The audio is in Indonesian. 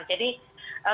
jadi kita melihatnya